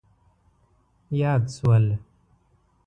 یاد شول.